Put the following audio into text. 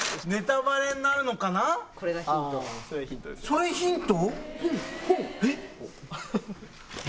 ・それヒント？